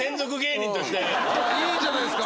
いいじゃないですか。